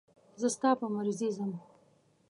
زه ستا په مرضي ځم.